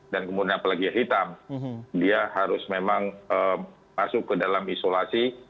dan kemudian apalagi hitam dia harus memang masuk ke dalam isolasi